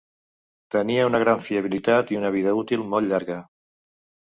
Tenia una gran fiabilitat i una vida útil molt llarga.